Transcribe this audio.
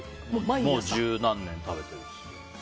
もう十何年食べてる。